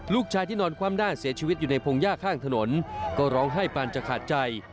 ลูกชายที่นอนคว่ำหน้าเสียชีวิตอยู่ในพงหญ้าข้างถนนก็ร้องไห้ปานจะขาดใจ